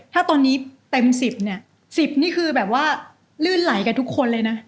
ถ้าตอนนี้เต็ม๑๐เนี่ย๑๐นี่คือแบบว่าลื่นไหลกับทุกคนเลยนะ